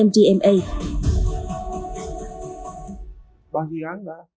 bàn ghi án đã